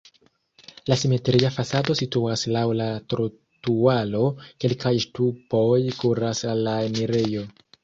La simetria fasado situas laŭ la trotuaro, kelkaj ŝtupoj kuras al la enirejo.